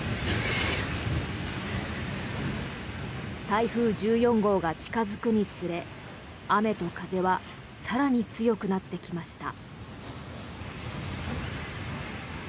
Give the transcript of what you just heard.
台風１４号が近付くにつれ雨と風は更に強くなってきました。